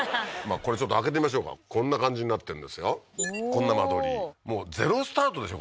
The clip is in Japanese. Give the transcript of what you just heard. これちょっと開けてみましょうかこんな感じになってるんですよおおーこんな間取りもうゼロスタートでしょ